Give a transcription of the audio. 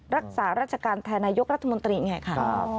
รักษาราชการแทนนายกรัฐมนตรีไงค่ะ